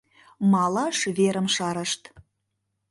Малаш верым шарышт.